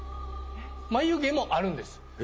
眉毛もあるんです。